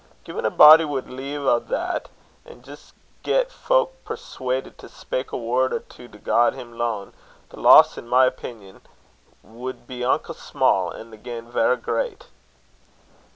Gin a body wad lea' a' that, and jist get fowk persuadit to speyk a word or twa to God him lane, the loss, in my opingan, wad be unco sma', and the gain verra great."